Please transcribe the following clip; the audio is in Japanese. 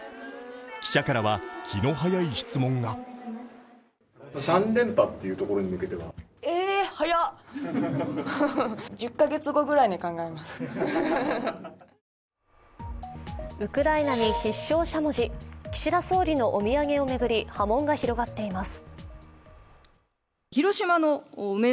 記者からは気の早い質問がウクライナに必勝しゃもじ岸田総理のお土産を巡り波紋が広がっています。